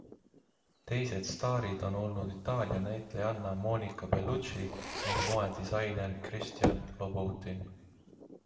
Teised staarid on olnud Itaalia näitlejanna Monica Bellucci ning moedisainer Christian Louboutin.